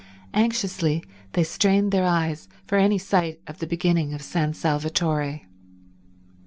Anxiously they strained their eyes for any sight of the beginning of San Salvatore.